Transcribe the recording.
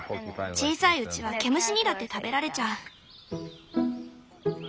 小さいうちは毛虫にだって食べられちゃう。